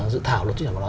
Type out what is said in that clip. dự thảo luật di trả văn hóa